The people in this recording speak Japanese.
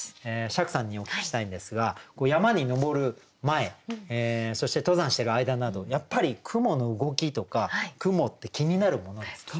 釈さんにお聞きしたいんですが山に登る前そして登山してる間などやっぱり雲の動きとか雲って気になるものですか？